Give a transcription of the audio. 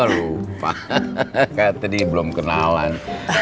lupa kata dia belum kenalan